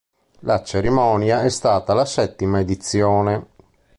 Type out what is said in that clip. La cerimonia è stata la settima edizione.